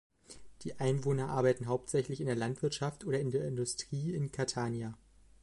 Die Einwohner arbeiten hauptsächlich in der Landwirtschaft oder in der Industrie in Catania.